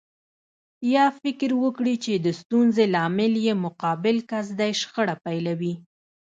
يا فکر وکړي چې د ستونزې لامل يې مقابل کس دی شخړه پيلوي.